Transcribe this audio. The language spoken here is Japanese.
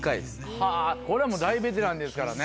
これは大ベテランですからね。